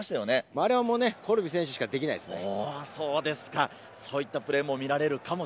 あれはコルビ選手しかできないですね。